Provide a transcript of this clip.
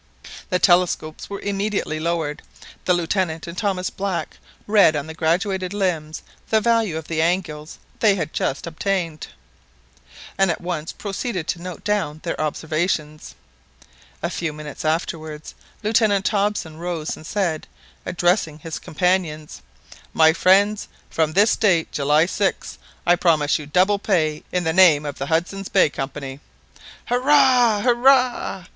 The telescopes were immediately lowered. The Lieutenant and Thomas Black read on the graduated limbs the value of the angles they had just obtained, and at once proceeded to note down their observations. A few minutes afterwards, Lieutenant Hobson rose and said, addressing his companions "My friends, from this date, July 6th, I promise you double pay in the name of the Hudson's Bay Company!" "Hurrah! hurrah!